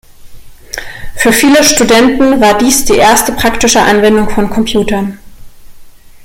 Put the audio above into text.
Für viele Studenten war dies die erste praktische Anwendung von Computern.